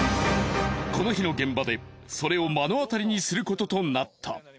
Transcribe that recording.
この日の現場でそれを目の当たりにすることとなった。